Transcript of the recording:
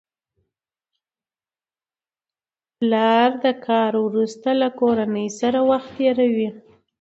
پلر د کار وروسته له کورنۍ سره وخت تېروي